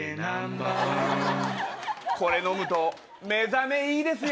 これ飲むと寝覚めいいですよ。